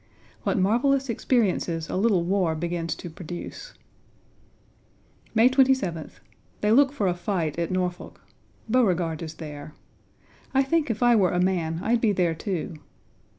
What marvelous experiences a little war begins to produce. May 27th. They look for a fight at Norfolk. Beauregard is there. I think if I were a man I'd be there, too.